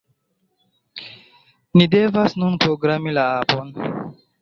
Ni devas nun programi la apon